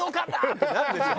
ってなるでしょ。